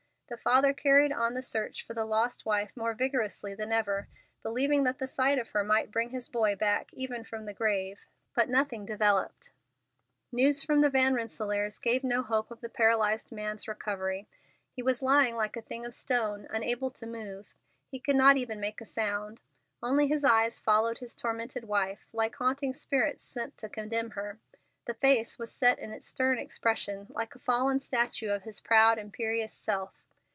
The father carried on the search for the lost wife more vigorously than ever, believing that the sight of her might bring his boy back even from the grave; but nothing developed. News from the Van Rensselaers gave no hope of the paralyzed man's recovery. He was lying like a thing of stone, unable to move. He could not even make a sound. Only his eyes followed his tormented wife, like haunting spirits sent to condemn her. The face was set in its stern expression, like a fallen statue of his proud, imperious self.